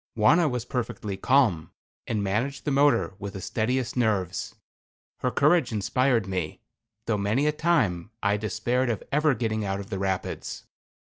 Wauna was perfectly calm, and managed the motor with the steadiest nerves. Her courage inspired me, though many a time I despaired of ever getting out of the rapids.